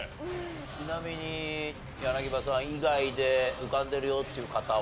ちなみに柳葉さん以外で浮かんでるよっていう方は。